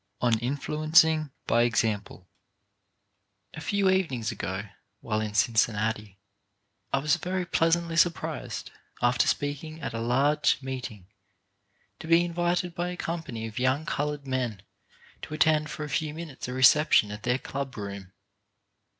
<& ON INFLUENCING BY EXAMPLE A few evenings ago, while in Cincinnati, I was very pleasantly surprised after speaking at a large meeting to be invited by a company of young coloured men to attend for a few minutes a reception at their club room.